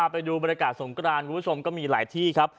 ไปดูบรรยากาศสงกรานคุณผู้ชมก็มีหลายที่ครับ